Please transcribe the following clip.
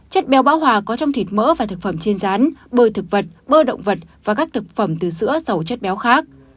chất béo bão hòa có trong thịt mỡ và thực phẩm trên rán bơi thực vật bơ động vật và các thực phẩm từ sữa dầu chất béo khác